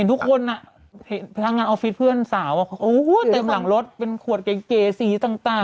เห็นทุกคนพยายามงานออฟฟิศเพื่อนสาวเต็มหลังรถเป็นขวดเก๋สีต่าง